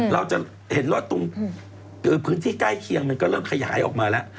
เราจะเห็นว่าตรงพื้นที่ใกล้เคียงมันก็เริ่มขยายออกมาแล้ว